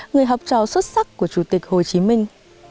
người học trò xuất sắc của chủ tịch hồ chí minh